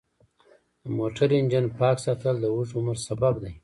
د موټر انجن پاک ساتل د اوږد عمر سبب دی.